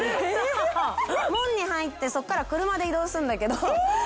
門に入ってそこから車で移動するんだけど。